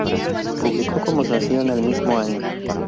Se publicó como sencillo en el mismo año.